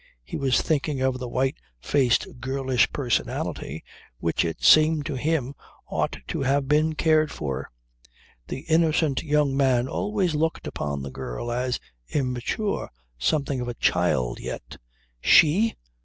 He was thinking of the white faced girlish personality which it seemed to him ought to have been cared for. The innocent young man always looked upon the girl as immature; something of a child yet. "She!